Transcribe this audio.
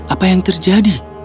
apa yang terjadi